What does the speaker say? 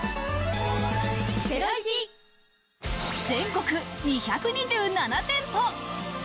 全国２２７店舗。